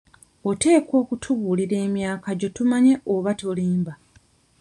Oteekwa okutubuulira emyaka gyo tumanye oba tolimba.